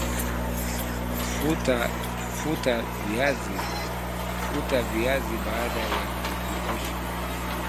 Futa viazi baada ya kuviosha